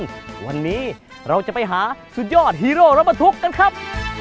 วันนี้เราจะไปหาสุดยอดฮีโร่รถบรรทุกกันครับ